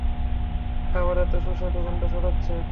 খাবারের তো সুস্বাদু গন্ধ ছড়াচ্ছে।